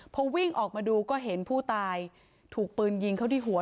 พอวิ่งออกมาดูก็เห็นผู้ตายถูกปืนยิงเข้าที่หัว